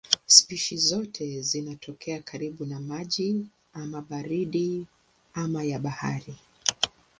Spishi zote zinatokea karibu na maji ama baridi ama ya bahari.